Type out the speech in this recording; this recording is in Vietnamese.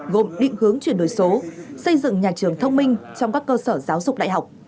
gồm định hướng chuyển đổi số xây dựng nhà trường thông minh trong các cơ sở giáo dục đại học